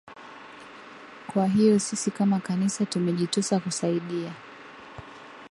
kwa hiyo sisi kama kanisa tumejitosa kusaidia